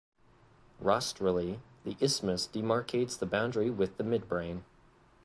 Rostrally, the isthmus demarcates the boundary with the midbrain.